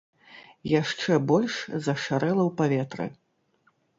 Яшчэ больш зашарэла ў паветры.